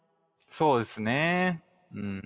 そうですねうん。